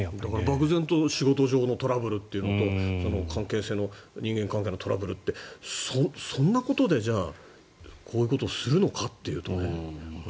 漠然と仕事上のトラブルというのと人間関係のトラブルってそんなことでこういうことをするのかというとね。